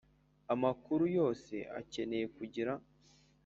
amakuru yose akeneye kugira